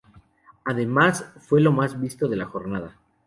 Además, fue lo más visto de la jornada.